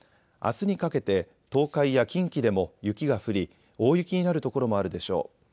あすにかけて東海や近畿でも雪が降り大雪になる所もあるでしょう。